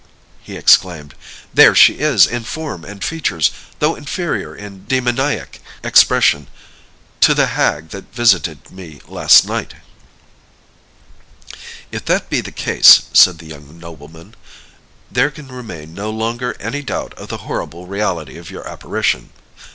he exclaimed; "there she is, in form and features, though inferior in demoniac expression to the hag that visited me last night!" "If that be the case," said the young nobleman, "there can remain no longer any doubt of the horrible reality of your apparition.